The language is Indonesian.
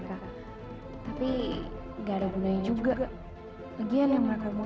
gato banget penyok tim mereka tapi nggak ada gunanya juga lagi yang mereka mau